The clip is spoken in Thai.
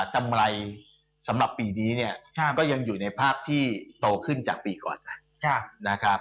กำไรสำหรับปีนี้เนี่ยก็ยังอยู่ในภาพที่โตขึ้นจากปีก่อนนะ